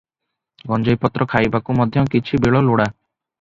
ଗଞ୍ଜେଇ ପତ୍ର ଖାଇବାକୁ ମଧ୍ୟ କିଛି ବେଳ ଲୋଡ଼ା ।